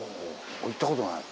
行ったことない。